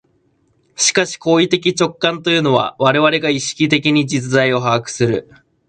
しかし行為的直観というのは、我々が意識的に実在を把握する、